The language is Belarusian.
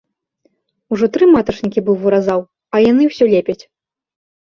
Ужо тры матачнікі быў выразаў, а яны ўсё лепяць.